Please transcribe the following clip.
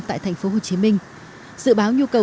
tại tp hcm dự báo nhu cầu